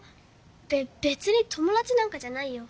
べべつに友だちなんかじゃないよ。